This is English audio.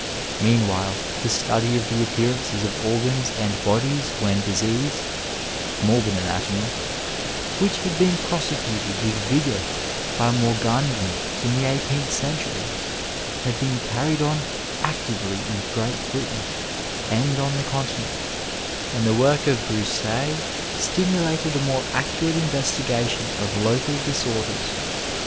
Meanwhile, the study of the appearances of organs and bodies when diseased (morbid anatomy), which had been prosecuted with vig(»r by Mor gagni in the eighteenth century, had been canned on actively in Qreat Britain and on the Continent, and the work of Broussais stimulated a more accurate investiga tion of local disorders.